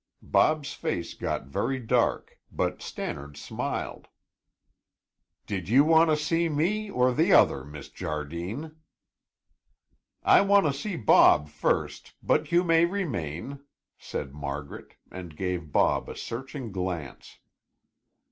Bob's face got very dark, but Stannard smiled. "Did you want to see me or the other, Miss Jardine?" "I want to see Bob first, but you may remain," said Margaret and gave Bob a searching glance.